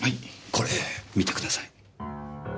これ見てください。